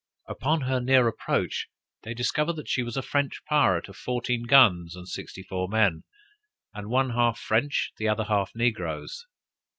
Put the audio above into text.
Upon her near approach they discovered that she was a French pirate of fourteen guns and sixty four men, the one half French, and the other half negroes.